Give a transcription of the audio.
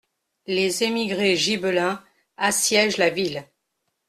- Les émigrés gibelins assiègent la ville.